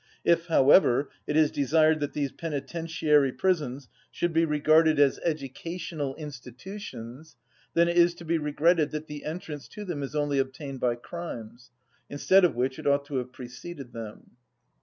If, however, it is desired that these penitentiary prisons should be regarded as educational institutions, then it is to be regretted that the entrance to them is only obtained by crimes, instead of which it ought to have preceded them.